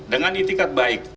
dengan intikat baik